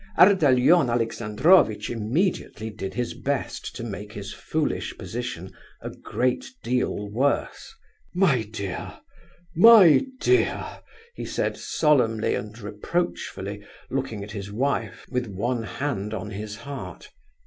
Ardalion Alexandrovitch immediately did his best to make his foolish position a great deal worse. "My dear, my dear!" he said, solemnly and reproachfully, looking at his wife, with one hand on his heart.